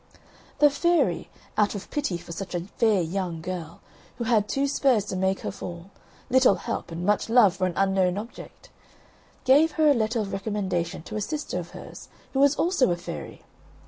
The fairy, out of pity for such a fair young girl, who had two spurs to make her fall little help and much love for an unknown object gave her a letter of recommendation to a sister of hers, who was also a fairy.